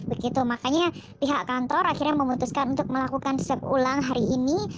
begitu makanya pihak kantor akhirnya memutuskan untuk melakukan swab ulang hari ini